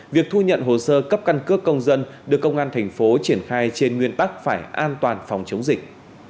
việc thu nhận hồ sơ cấp căn cước công dân được công an thành phố triển khai trên nguyên tắc phải an toàn phòng chống dịch